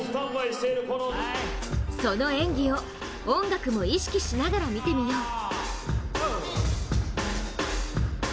その演技を、音楽も意識しながら見てみよう。